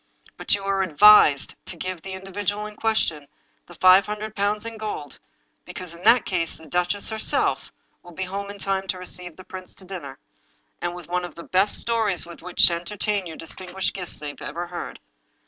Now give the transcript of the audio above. But you are advised to give the individual in question the five hundred pounds in gold, because in that case the duchess herself will be home in time to receive the prince to dinner, and with one of the best stories with which to entertain your distinguished guests they ever heard.